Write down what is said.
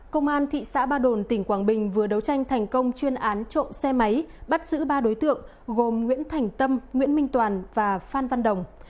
công an thị xã ba đồn tỉnh quảng bình vừa đấu tranh thành công chuyên án trộm xe máy bắt giữ ba đối tượng gồm nguyễn thành tâm nguyễn minh toàn và phan văn đồng